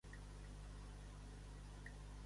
L'ordre es basa en l'especificat en el document origen.